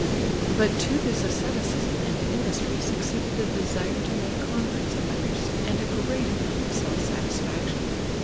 But to this asceticism and industry succeeded a desire to make converts of others, and a great amount of self satisfaction.